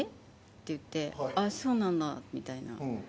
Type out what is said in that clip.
て言って、あ、そうなんだみたいな。